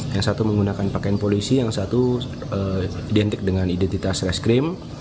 yang satu menggunakan pakaian polisi yang satu identik dengan identitas reskrim